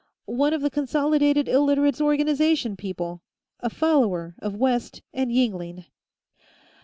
One of the Consolidated Illiterates' Organization people; a follower of West and Yingling.